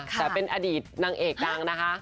แต่เป็นอดีตนางเอกดังนะคะ